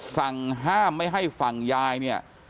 สั่งห้ามไม่ให้ฝั่งยายเนี่ย